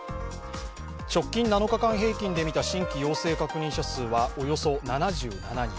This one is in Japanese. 直近７日間平均で見た新規陽性確認者数はおよそ７７人